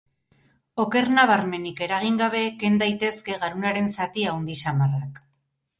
Oker nabarmenik eragin gabe ken daitezke garunaren zati handi samarrak.